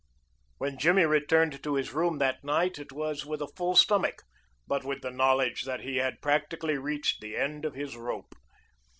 When Jimmy returned to his room that night it was with a full stomach, but with the knowledge that he had practically reached the end of his rope.